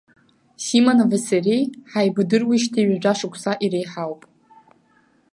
Симонови сареи ҳаибадыруеижьҭеи ҩажәа шықәса иреиҳауп.